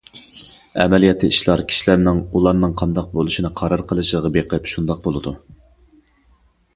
ئەمەلىيەتتە، ئىشلار كىشىلەرنىڭ ئۇلارنىڭ قانداق بولۇشىنى قارار قىلىشىغا بېقىپ شۇنداق بولىدۇ.